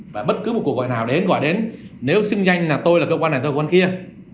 và bất cứ một cuộc gọi nào đến gọi đến nếu xưng danh là tôi là cơ quan này tôi là cơ quan kia